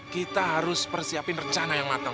kita harus persiapin rencana yang matang